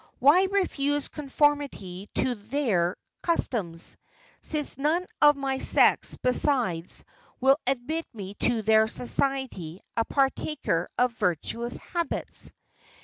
Why refuse conformity to their customs, since none of my sex besides will admit me to their society a partaker of virtuous habits?"